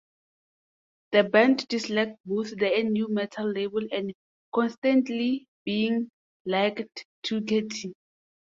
The band disliked both the nu metal label and constantly being likened to Kittie.